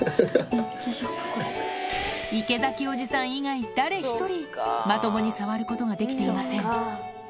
めっちゃ池崎おじさん以外、誰一人、まともに触ることができていません。